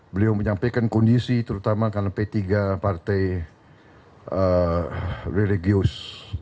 beliau menyampaikan kondisi terutama karena p tiga partai religius